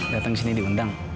datang disini diundang